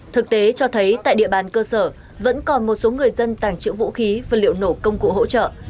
thực tế cho thấy tại địa bàn cơ sở vẫn còn một số người dân tàng trữ vũ khí và liệu nổ công cụ hỗ trợ